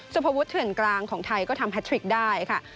สุภวุฒิเถื่อนกลางของไทยก็ทำแททริกได้ค่ะ